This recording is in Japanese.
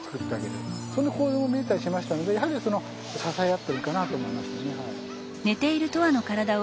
そんな行動を見えたりしましたのでやはりその支え合ってるかなと思いましたねはい。